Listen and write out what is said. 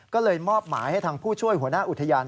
ก็เลยมอบหมายให้ทางผู้ช่วยหัวหน้าอุทยาน